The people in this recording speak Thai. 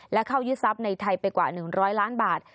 และเข้ายึดทรัพย์ในไทยไปกว่า๑๐๐ล้านบาท